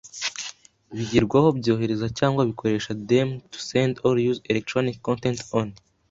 bigerwaho byohereza cyangwa bikoresha them to send or use electronic content on